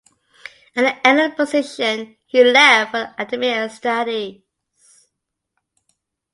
At the end of the position he left for academic studies.